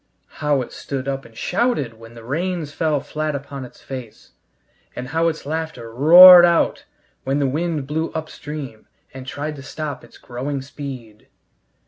How it stood up and shouted when the rains fell flat upon its face! And how its laughter roared out when the wind blew upstream and tried to stop its growing speed!